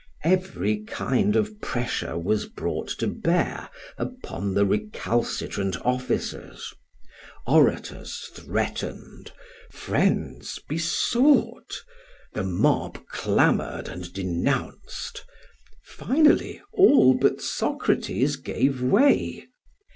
Every kind of pressure was brought to bear upon the recalcitrant officers; orators threatened, friends besought, the mob clamoured and denounced. Finally all but Socrates gave way.